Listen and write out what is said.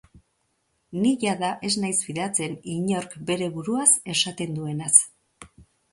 Ni jada ez naiz fidatzen inork bere buruaz esaten duenaz.